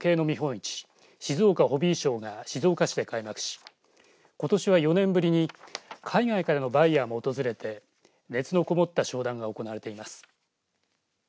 市静岡ホビーショーが静岡市で開幕しことしは４年ぶりに海外からのバイヤーも訪れて熱のこもった商談が行われています。